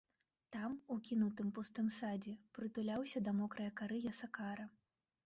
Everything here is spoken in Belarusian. Там, у кінутым, пустым садзе, прытуляўся да мокрае кары ясакара.